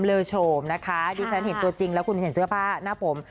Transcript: เลอโฉมนะคะดิฉันเห็นตัวจริงแล้วคุณเห็นเสื้อผ้าหน้าผม